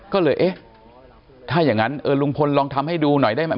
ก็เลยเอ๊ะถ้าอย่างนั้นลุงพลลองทำให้ดูหน่อยได้ไหม